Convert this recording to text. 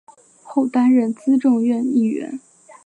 后担任资政院议员。